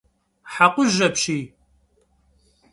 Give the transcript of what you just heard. Hekhuj apşiy!